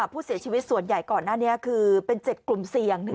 ผู้เสียชีวิตส่วนใหญ่ก่อนหน้านี้คือเป็น๗กลุ่มเสี่ยง